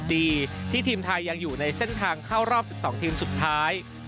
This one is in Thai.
ที่ทีมไทยยังอยู่ในเส้นทางเข้ารอบ๑๒ทีมสุดท้าย